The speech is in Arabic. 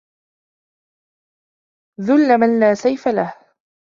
ذل من لا سيف له